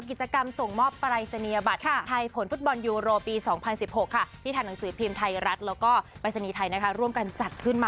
เป็นคนที่ไม่รู้เรื่องอะไรเลยแต่ว่าคนรอบข้างเพื่อน